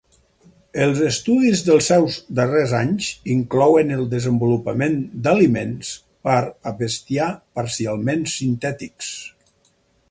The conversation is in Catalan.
Els estudis dels seus darrers anys incloïen el desenvolupament d"aliments per a bestiar parcialment sintètics.